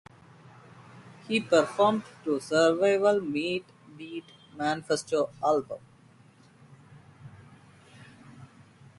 He has performed on several Meat Beat Manifesto albums.